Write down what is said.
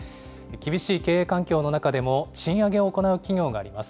厳しい経営環境の中でも、賃上げを行う企業があります。